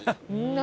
何？